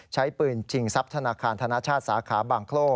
ใช้ปืนชิงทรัพย์ธนาคารธนชาติสาขาบางโค